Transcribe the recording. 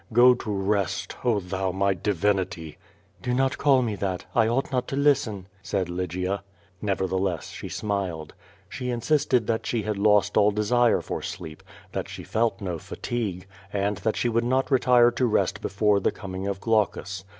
Go to rest. Oh thou, my divinity! " "Do not call me that. I ought not to listen,*' said Lygia. Nevertheless, she smiled. She insisted that she had lost all desire for sleep, that she felt no fatigue, and that she would not retire to rest before the coming of Glcucus.